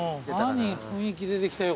雰囲気出てきたよ